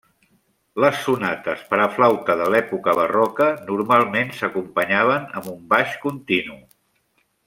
Les sonates per a flauta de l'època barroca normalment s'acompanyaven amb un baix continu.